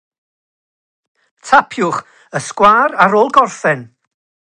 Yn wreiddiol, cafodd y trenau eu darparu mewn paent oren a llwyd.